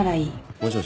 「もしもし？